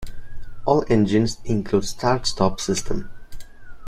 All engines include start-stop system.